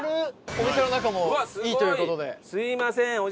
お店の中もいいという事で。